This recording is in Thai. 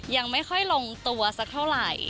ยังไม่ค่อยลงตัวสักเท่าไหร่